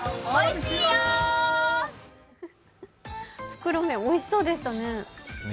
袋麺、おいしそうでしたね